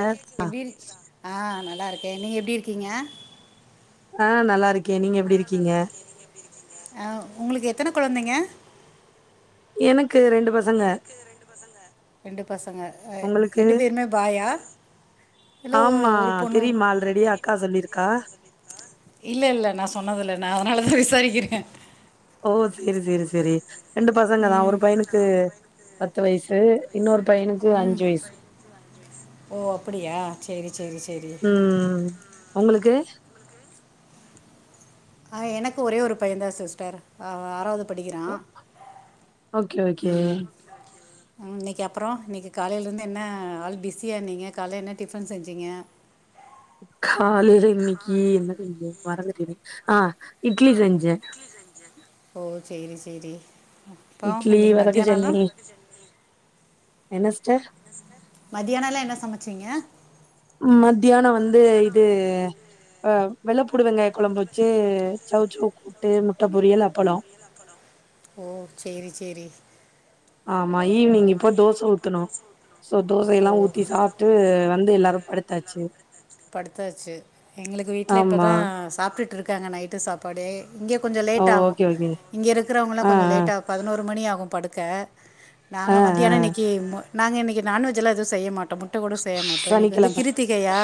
S எப்டி இருக் ஆ நல்லா இருக்கே நீங்க எப்டி இருக்கீங்க அ நல்லாருக்கே நீங்க எப்டி இருக்கீங்க அ உங்ளுக்கு எத்தன கொழந்தைங்க எனக்கு ரெண்டு பசங்க ரெண்டு பசங்க உங்களுக்கு? ரெண்டு பேருமே பாயா இல்லை ஆமா ஒரு பொண்ணு தெரியுமா ஆல்ரெடி அக்கா சொல்லிருக்கா இல்ல இல்ல நா சொன்னதுல்ல நான் அதுனாலதா விசாரிக்கிறே ஓ சேரி சேரி சேரி ரெண்டு பசங்க தா ஒரு ம் பையனுக்கு பத்து வயசு இன்னொரு பையனுக்கு அஞ்சு வையசு ஓ அப்படியா சேரி சேரி சேரி ம். உங்களுக்கு அ எனக்கு ஒரே ஒரு பையதா சிஸ்டர் அ ஆறாவது படிக்கிறா ஓ ஓகே, ஓகே. ம் இன்னைக்கு அப்றோ இன்னைக்கு காலைல இருந்து என்ன ஆள் பிஸியாக நீங்க காலைல என்ன டிஃபன் செஞ்சிங்க காலில இன்னைக்கி ஆ இட்லி செஞ்சே ஓ சேரி சேரி இட்லி வதக்கு சட்னி என்ன ஸிஸ்டர் மத்தியானல்லா என்ன சமச்சீங்க மத்தியான வந்து இது ஆ வெள்ளப்பூண்டு வெங்காய கொழம்பு வச்சு சௌவ்சௌவ் கூட்டு முட்ட பொரியல் அப்பளோ ம் சேரி சேரி ஆமா அ ஈவினிங் இப்போ தோச ஈவ்னிங் இப்ப ஊத்தணு தோச சோ தோசையெல்லா ஊத்தணு ஊத்தி எல்லா சாப்ட்டு ஊத்தி வந்து சாப்ட்டு எல்லாரு படுத்தாச்சு வந் படுத்தாச்சு எங்களுக்கு வீட்ல ஆமா இப்பதா சாப்டுட் இருகாங்க நைட்டு சாப்பாடே இங்க கொஞ்சோ ஓ லேட் ஆகு ஓகே ஓகே இங்க இருக்குறவங்களா ஆ கொஞ்சோ லேட் ஆ ஆக் பதினோரு மணி ஆகு படுக்க ஆ நாங்க ஆ மத்தியான இன்னைக்கு முட் நாங்க இன்னைக்கு நான் வெஜ்ஜுலா எது செய்ய மாட்டோ முட் முட்ட கூட செய்ய மாட்டோ இன்னைக்கு வந்து சனிக்கிழம கிருத்திகையா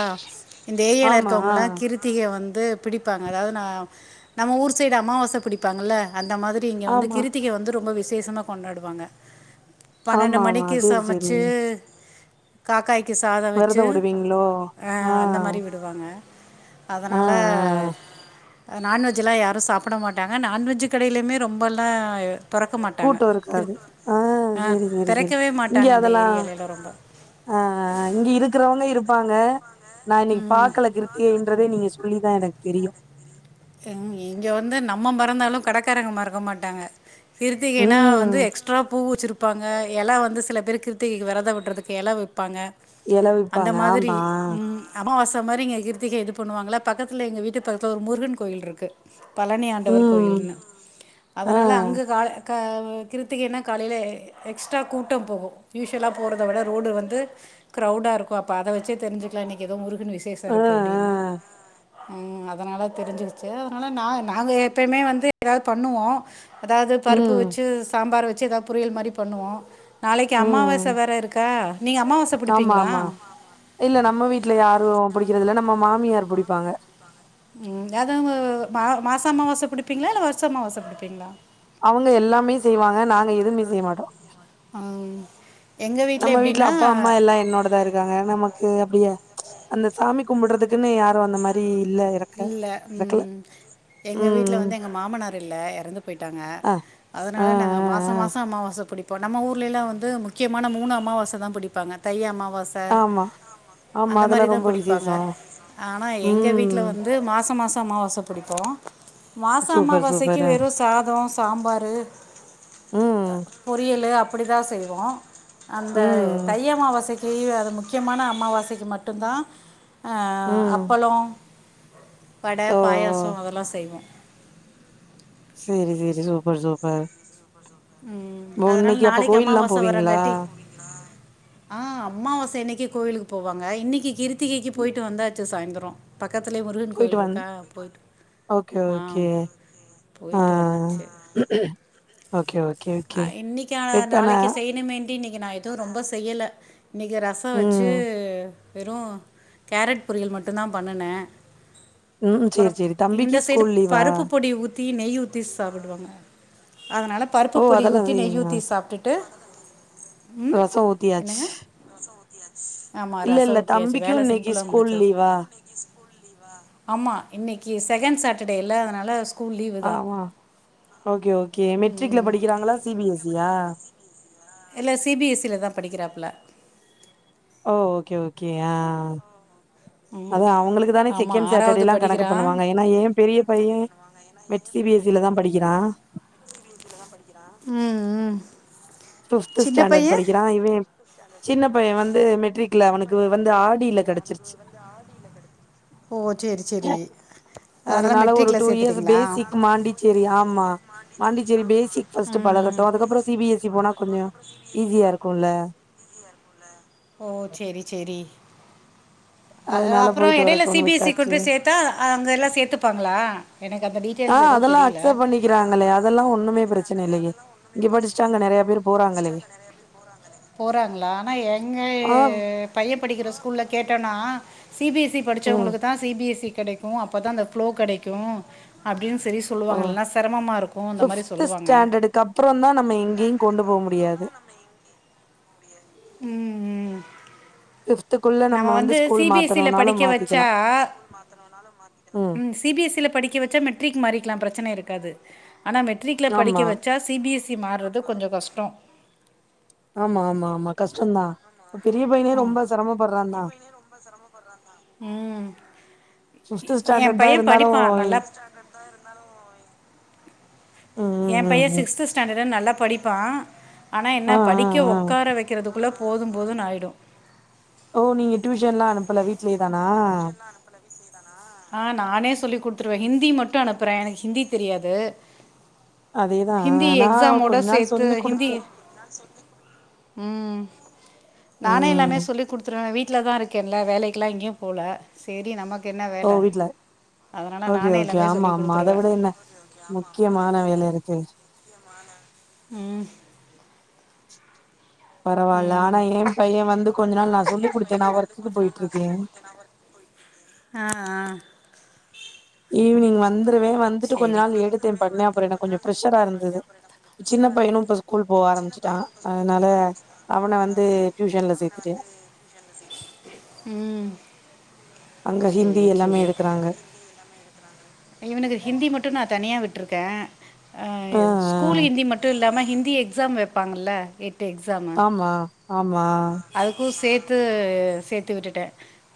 இந்த ஏரியல ஆமா ஆ இருக்கவங்ளா கிருத் த்திக வந்து பிடிப்பாங்க அதாவது நா நம்ம ஊர் சைடு அமாவாச பிடிப்பாங்கல்ல அந்த மாதி ரி இங்க வந்து ஆமா கிருத்திக வந்து ரொம்ப விசேஷமா கொண்டாடுவாங்க பன்னெண்டு ஆமா ஆமா மணிக்கு சேரி சேரி சமச்சூ காக்காய்க்கு சாத வச்சு விரதோ விடுவீங்களோ அ ஆ அந்த மாரி விடுவாங்க ஆ ஆ அதனால நான்வெஜ்லா யாரு சாப்ட மாட்டாங்க நான்வெஜ் கடையிலுமே ரொம்பலா தொறக்க மாட்டாங்க கூட்டோ கிரு இருக்காது ஆ சேரி சேரி சேரி இங்க இந்த அதெல்லா ஏரியாலலாம் ரொம்ப அ இங்க இருக்கிறவங்க இருப்பாங்க நா இன்னைக்கு பாக்கல கிருத்திகைன்றதே நீங்க சொல்லி தா எனக்கு தெரியு இங்க வந்து நம்ம மறந்தாலு கடக்காரங்க மறக்க மாட்டாங்க கிருத்திகைன்னா வந்து ம் எக்ஸ் ட்ரா பூ வச்சுருப்பாங்க எல்லா வந்து சில பேரு கிருத்திகைக்கு விரதோ விட்றதுக்கு எல விப்பாங்க எல அந்த விப்பாங்க மாதிரி ஆமா ம் அமாவாச மாறி இங்க கிருத்திக இது பண்ணுவாங்கல்ல பக்கத்துல எங்க வீட்டு பக்கத்துல ஒரு முருகன் கோயில் இருக்கு பழனியாண்டவர் ம் கோயில்னு அதனால ஆ அங்க கால கா கிருத்திகைன்னா காலையிலே எக்ஸ்ட்ரா கூட்டம் போகு யூஸ்வலா போறத விட ரோடு வந்து கிரௌடா இருக்கு அப்போ அதை வெச்சே தெரிஞ்சிக்கலா இன்னிக்கு ஏதோ முரு கனுக்கு விசேஷோ அ இருக்கு அப்டின்னா அ ம் அதனால தெரிஞ்ச சி அதனாவ நா நாங்க எப்பயுமே வந்து ஏதாது பண்ணுவோ அதாது பருப்பு ம் வெச்சு சாம்பார் வெச்சு ஏதாது பொரியல் மாரி பண்ணுவோ நாளைக்கி அம்மாவாச ம் வேற இருக்கா நீங்க அம்மாவாச ஆமா ஆமா இல்ல நம்ம வீட்ல யாரு புடிக்கறதில்ல நம்ம மாமியார் புடிப்பாங்க ம் இந்ததுங்க மா மாச அம்மாவாச புடிப்பீங்ளா இல்ல வருஷ அம்மாவாச புடிப்பீங்களா அவூங்க எல்லாமே செய்வாங்க நாங்க எதுவுமே செய் மாட்டோ அ ம் நம்ம வீட்ல அப்பா அம்மா எல்லா என்னோடதா இருக் இருக்காங்க நமக்கு அப்டியா அந்த சாமி கும்புட்றதுக்குன்னு யாரு அந்த மாரி இல்ல ஏறக் இல்ல ம் எங்க வீட்ல ம் வந்து எங்க மாமனார் இல்ல எறந்து போயிட்டாங்க அ அ அ அதனால நாங்க மாச அ மாசே அமாவாச புடிப் இப்ப நம்ம ஊர்லைலாம் வந்து முக்கியமான மூனு அமாவாசை தா புடிப்பங்க தை அமாவா ட ஆமா ஆமா அந்த அதெல்லாம் மாரிதா ரொம்ப புடிப்பாங்க விசேஷம். ஆனா எங்க வீட் ம் ல வந்து மாசம் மாசம் அமாவாசை புடிப்போ மாசோ சூப்பர் அமாவாசைக்கு சூப்பர் அ வெறு சாதோ சாம்பாரு ம் பொரியலு அப்புடி தா செய்வோ அந்த ம் தை அமாவாசைக்கு அது முக்கியமான அம்மாவாசைக்கு மட்டுதா அ ம் அப்பளோ வட ஓ ஓ பாயாசோ அதெல்லா செய்வோ சேரி சேரி சூப்பர் சூப்பர் ம் ஓ அதனால இன்னைக்கு அப்ப நாளைக்கு கோயில்லாம் அம்மாவாச போவீங்களா? வரறாங்காட்டி ஆ அமாவாச அன்னைக்கு கோவிலுக்கு போவாங்க இன்னிக்கி கிருத்திகைக்கி போயிட்டு வந்தா ச்சு சாயிந்தரோ பக்கத்துலயே முருகன் போயிட்டு கோயில் வந் இருக்கா போயிட்டு ஓகே ஆ ஓகே அ போயிட்டு வந்தாச்சு ஓகே ஓகே ஓகே இப்ப நா இன்னிக்கு நா எதும் ரொம்ப செய்யல இன்னிக்கி ரசோ வெச்சி ம் வெறு கேரட் பொரியல் மட்டு தா பண்ணுனே ம் சேரி அப்புறம் சேரி இந்த தம்பிக்கு சைடு ஸ்கூல் லீவா பருப்பு பொடி ஊத்தி நெய் ஊத்தி சாப்புடுவாங்க அதனால பருப்பு ஓ பொடி அதெல்லா ஊத்தி நெய் செய்வீங்களா ஊத்தி சாப்டுட்டு ம் ரசோ ஊத்தியாச்சு என்னங்க ஆமாம் இல்ல இல்ல ரசம் தம்பிக்கு இன்னைக்கி ஸ்கூல் லீவா இன்னிக்கு ஸ்கூல் லீவா ஆமா இன்னைக்கி செகண்ட் சாட்டர்டே இல்ல அதனால ஆமா ஓகே ஓகே மெட்ரிக்ல படிக்கிறாங்களா சி பி எஸ் சி யா இல்ல சி பி எஸ் சி ல தா படிக்கிறாப்புல ஓ ஓகே ஓகே ஆ ஆ ம் அதா அவுங்களுக்கு தானே ஆமாம் செகண்ட் ஆறாவது சேட்டர்டேலா கணக்குப் படிக்கிறான் பண்ணுவாங்க ஏன்னா ஏம் பெரிய பைய மெட் சி பி எஸ் சி ல தா படிக்கிறா சி பி எஸ் சி ல தா படிக்கிறா ம் ம் ஃபிப்த் சின்ன ஸ்டாண்டர்ட் பையன் படிக்கிறா இவே சின்ன பைய வந்து மெட்ரிக்ல அவனுக்கு வந்து ஆவடில கேடைச்சிருச்சி ஓ சரி சரி அதனால் அதனால ஒரு மெட்ரிக்கில் டூ இயர்ஸ் சேர்த்துட்டிங்களா பேசிக் மாண்டி சேரி ஆமா பாண்டிச்சேரி பேசிக்ஸ் ம் ம். பழகட்டும் அதுக்கப்றோ சி பி எஸ் இ போனா கொஞ்சோ ஈஸியா இருக்கும்ல ஓ சேரி சேரி அ அதனால அப்பறோ போயிட்டு எடையில சி வரட்டுன்னு பி எஸ் சி கொண்டு விட்டாச்சு போய் சேத்த தா அங்க எல்லா சேத்துப்பாங்களா எனக்கு அந்த டி ஆ அதெல்லா அக்சப்ட் பண்ணிக்கிறாங்களே அதெல்லா ஒண்ணுமே பிரச்சன இல்லையே இங்க படிச்சட்டு அங்க நெறயா பேரு போறாங்களா ஆனா எங்க ஆ பையே படிக்கிற ஸ்கூல்ல கேட்டனா சி பி எஸ் சி ம் படிச்சவங்களுக்கு தா சி பி எஸ் சி கெடைக் க்கும் அப்பதா அந்த ஃப்ளோ கெடைக்கும் அப்படின்னு சரி ஓ சொல்லுவாங்க இல்லன்னா செரமமா இருக்கும் அந்த மாரி சொல்லுவாங்க அப்றோ தா நம்ம எங்கேயு கொண்டு போக முடியாது ம் ம் ஃபிப்துக்குள்ள நம்ம வந்து school C B S C ல மாத்தணுனாலு படிக்க வச்சா மாத்திக்கலா ம் சி பி எஸ் சி யில படிக்க வச்சா மெட்ரிக் மாறிக்கலா பிரச்சன இருக்காது ஆனா மெட்ரிக்ல படிக்க ஆமா வச்சா சி பி எஸ் சி மாறுறது கொஞ்சோ கஷ்டோ ஆமா ஆமா ஆமா கஷ்டம்தா இப்ப பெரிய பையனே ரொம்ப செரமப்படுறாந்தா ம் பிப்து என் ஸ்டாண்டர்ட் தா பையன் இருந்தாலு படிப்பான் நல்லா ம் ஏ ம் ம் பையே ம் சிக்ஸ்த்து ஸ்டாண்டர்டுன்னு நல்லா படிப்பா ஆனா என்ன ஆ ஆ படிக்க ஆ உட்கார வைக்கிறதுக்குள்ள போதும் போதும்ன்னு ஆகிடும் ஓ நீங்க டியூஷன்ல்லா அனுப்புல வீடலயே தானா அனுப்பல விட்லயே தானா ஆ நானே சொல்லி குடுத்துருவே ஹிந்தி மட்டும் அனுப்புறே எனக்கு ஹிந்தி தெரியாது அதேதா ஹிந்தி நா எக்ஸாமோட கொஞ்ச நாள் சேத்து சொல்லி ஹிந்தி குடுத்தே ம் நானே எல்லாமே ம் சொல்லி குடுத்துருவே வீட்டில தா இருக்கென்ல வேலைக்கெலா எங்கயு போகல செரி நமக்கு என்ன ஓ வேல வீட்ல அதனால ஓகே நானே ஓகே எல்லாமே ஆமா சொல்லி ஆமா அத குடுத்துருவே விட என்ன முக்கியமான வேல இருக்கு முக்கியமான ம் பரவால்ல ம் ஆனா ஏ பையே வந்து கொஞ்ச நாள் நா சொல்லிக் குடுத்தே நா ஒர்க்குக்கு போயிட்டு இருக்கே ஆ ஆ ஈவினிங் வந்து துருவே வந்துட்டு கொஞ்ச சரி நாள் எடுத்தே பண்ண அப்றோ எனக்கு கொஞ்சோ ப்ரெஷரா இருந்தது சின்ன பையனும் இப்ப ஸ்கூல் போக ஆரம்பிச்சுட்டா அதனால அவன வந்து டியூஷன்ல சேத்துட்டே ம் அங்க ஹிந்தி சரி எல்லாமே சரி எடுக்குறாங்க இவனுக்கு ஹிந்தி மட்டும் நா தனியா விட்டருக்கே ஆ ஸ்கூல் ஹிந்தி மட்டும் இல்லாம ஹிந்தி எக்ஸாம் வெப் ப்பாங்கல்ல எட்டு எக்ஸாம் ஆமா ஆமா அதுக்கும் சேத்து சேத்து விட்டுட்டே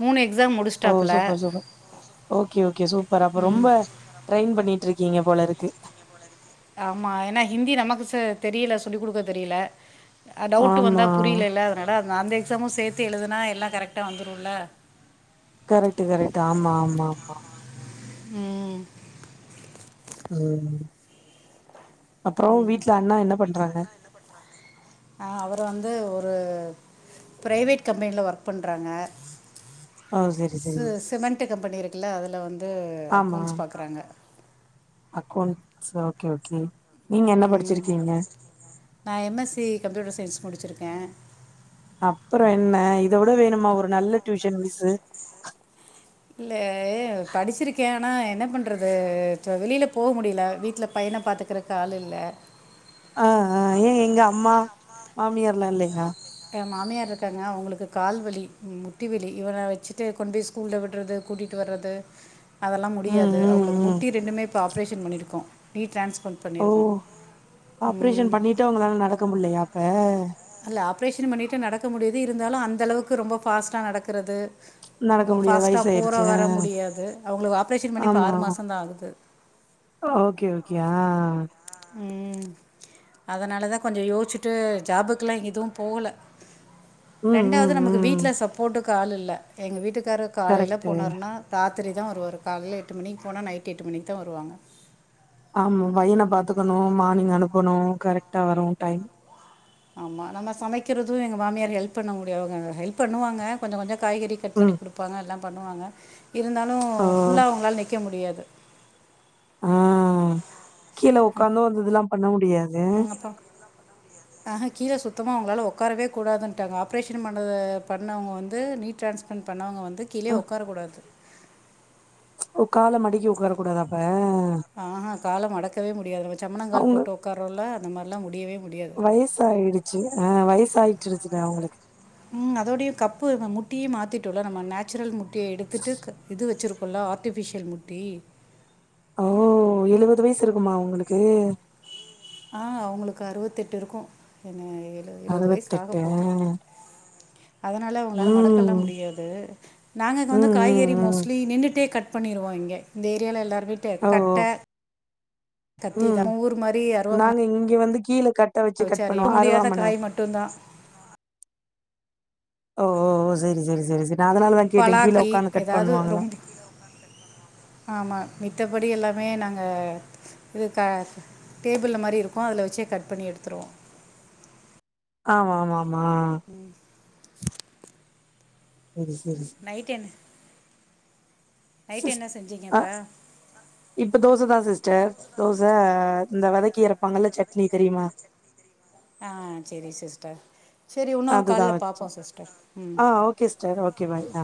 மூணு எக்ஸாம் முடிச்சு ஓ super super okay okay super அப்ப ம் ரொம்ப ட்ரெயின் பண்ணிட்டு இருக்கீங்க போல இருக்கு ஆமா ஏன்னா ஹிந்தி நமக்கு தெரியல சொல்லி் குடுக்க தெரியல டவுட்டு வந்தா ஆமா புரியலேல அதனால அந்த எக்ஸாமும் சேத்து எழுதுனா எல்லா கரெக்டா வந்துருல்ல கரெக்ட் கரெக்ட் ஆமா ஆமா ஆமா ம் ம் அப்பறோ வீட்டுல அண்ணா என்ன பண்றாங்க ஆ அவரு வந்து ஒரு ப்ரைவேட் கம்பெனில ஒர்க் பண்றாங்க ஓ சரி ச சரி சிமெண்ட் கம்பெனி இருக்குல்ல அதில வந்து ஆமா அக்கௌண்ட்ஸ் பாக்குறாங்க அக்கௌண்ட்ஸ் ஓகே ஓகே நீங்க என்ன படிச்சிருக்கீங்க நா எம்எஸ்சி கம்ப்யூட்டர் சயின்ஸ் முடிச்சிருக்க அப்பற என்ன இத விட வேணுமா ஒரு நல்ல டியூஷன் மிஸ்ஸு இல்ல படிச்சிருக்க ஆனா என்ன பண்றது வெளில போ முடில வீட்ல பையன பாத்துக்குற ஆள் இல்ல ஆ ஆ ஏ எங்க அம்மா மாமியார்லா இல்லயா ஏ மாமியார் இருக்காங்க அவங்களுக்கு கால்வலி முட்டி வலி இவன வச்சுட்டு கொண்டு போய் ஸ்கூல்ல விடுறது கூட்டிட்டு வர்றது அதெல்லா ம் முடியாது ம் அவங்களுக்கு ம் முட்டி ரெண்டுமே இப்ப ஆப்ரேஷன் பண்ணிருக்கோ நீ டிரான்ஸ்ப ஓ ஆப்ரேஷன் பண்ணிட்டு அவங்களால நடக்க முடியலையா அப்ப அல்ல ஆப்ரேஷன் பண்ணிட்டு நடக்க முடியுது இருந்தாலு அந்த அளவுக்கு ரொம்ப ஃபார்ஸ்ட்டா நடக்குறது நடக்க முடியாது ஃபார்ஸ்ட்டா போற வயசாயிருச்சு ஆ வர முடியாது அவங்களுக்கு ஆப்ரேஷன் பண்ணி இப்ப ஆமா ஆறு மாச தா ஆகுது ஓகே ஓகே ஆ ம் அதனால தா கொஞ்சோ யோசிச்சுட்டு ஜாபுக்கெல்லா எதுவு போல ம் ம் ரெண்டாவது நமக்கு வீட்ல ம் சப்போர்ட்டுக்கு ஆள் இல்ல எங்க வீட்டுக்காரு காலைல கரெக்ட்டு போனாருனா ராத்திரி தா வருவாரு காலைல எட்டு மணிக்கு போனா நைட்டு எட்டு மணிக்கு தா வருவாங்க ஆமா பையன பாத்துக்கணு மார்னிங் அனுப்பனு கரெக்ட்டா வரு டைம் ஆமா நம்ம சமைக்கிறது எங்க மாமியார் ஹெல்ப் பண்ண முடியாது அவங்க ஹெல்ப் பண்ணுவாங்க கொஞ்சோ கொஞ்சோ காய்கறி கட் பண்ணி ம் குடுப்பாங்க எல்லா பண்ணுவாங்க இருந்தாலு ஓ ஃபுல்லா அவங்களால நிக்க முடியாது ஆ கீழ உக்காந்து அந்த இதெல்லா பண்ண முடியாது ம் அப்ற ஆஹா கீழ சுத்தமா அவங்களால உக்காரவே கூடாதுன்ட்டாங்க ஆப்ரேஷன் பண்ண பண்ணவங்க வந்து நீ டிரான்ஸ பன் பண்ணவங்க வந்து அ கீழயே உக்காரக் கூடாது ஓ கால மடக்கி உக்கார கூடாதா அப்ப ஆஹா கால மடக்கவே முடியாது நம்ம சமனங்கால் அவங்க போட்டு உக்காறோல அந்த மாதிரிலா முடியவே முடியாது வயசாவிடு ஆ வயசு ஆயிட்டுருச்சுல அவங்களுக்கு ம் அதோடயு கப்பு முட்டியே மாத்திட்டோல நம்ம நேச்சுரல் முட்டிய எடுத்துட்டு க இது வச்சுருக்கோ ஆர்டிஃபிஷியல் முட்டி ஓ எழுவது வயசு இருக்குமா அவங்களுக்கு ஆ அவங்களுக்கு அறுபத்தெட்டு இருக்கு என்ன எழு எழுபது அறுவத்தெட்டா அதனால அவங்களால மடக்கல்லா முடியாது நாங்க இங்க ம் வந்து ம் காய்கறி ம் மோஸ்ட்லி நின்னுட்டே கட் பண்ணிடுவோ இங்க இந்த ஏரியால எல்லாரு வீட்டு ஓ கட்ட ஓ ம் கத்திதா ஊர் மாரி அருவமன நாங்க இங்க வந்து கீழ கட்ட வச்சு கட் பண்ணுவோ வெட்ட முடியாத அருவாமன காய் மட்டு தா ஓ ஓஓ சரி சரி சரி சரி நா அதனால தா கேட்ட கீழ பலாக்காய் உக்காந்து கட் ஏதாவது பண்ணுவாங்களா ஆமா மித்தபடி எல்லாமே நாங்க இது க டேபிள்ல்ல மாரி இருக்கு அதுல வச்சே கட் பண்ணி எடுத்துருவோ ஆமா மா மா உகு சேரி நைட் என்ன நைட் சிஸ் என்ன செஞ்சி கா அ இப்பா இப்ப தோசை தா சிஸ்டர் தோசை இந்த வதக்கி அறப்பாகல சட்னி தெரியுமா ஆ சேரி சிஸ்டர் சேரி இன்னொரு அதுதா கால்ல வச்சோ பாப்போ சிஸ்டர் ம் ஆ ஓகே சிஸ்டர் ஓகே பாய் ஆ